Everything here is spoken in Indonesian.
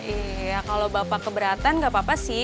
iya kalau bapak keberatan nggak apa apa sih